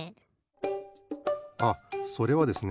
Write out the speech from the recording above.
あそれはですね